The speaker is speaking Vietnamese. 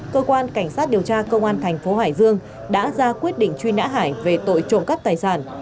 cơ quan cảnh sát điều tra công an thành phố hải dương đã ra quyết định truy nã hải về tội trộm cắp tài sản